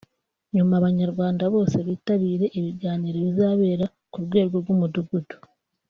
nyuma Abanyarwanda bose bitabire ibiganiro bizabera ku rwego rw’umudugudu